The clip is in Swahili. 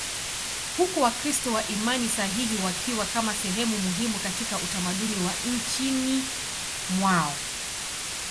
huku Wakristo wa imani sahihi wakiwa kama sehemu muhimu katika utamaduni wa nchini mwao.